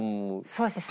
そうですね。